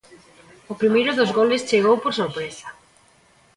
O primeiro dos goles chegou por sorpresa.